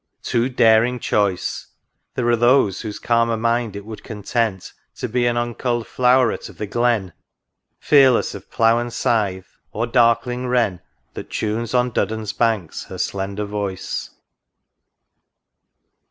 Too daring choice I There are whose calmer mind it would content To be an uncuUed flow'ret of the glen. Fearless of plough and scythe ; or darkling wren, That tunes on Duddon's banks her slender voice.